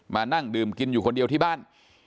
มานั่งดื่มกินอยู่คนเดียวที่บ้าน